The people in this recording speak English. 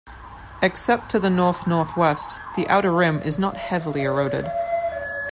Except to the north-northwest, the outer rim is not heavily eroded.